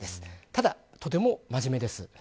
ただ、とても真面目です。